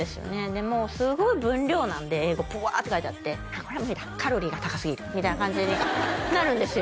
でもうすごい分量なんで英語ブワーッて書いてあってこれは無理だカロリーが高すぎるみたいな感じになるんですよ